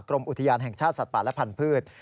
กรมอุทยานแห่งชาติสัตว์ป่าและพันธุ์